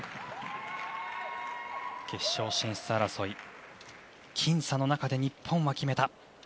決勝進出争い僅差の中で日本が決めた。